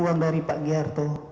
uang dari pak gerto